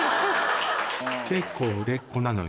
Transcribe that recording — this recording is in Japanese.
結構売れっ子なのよ。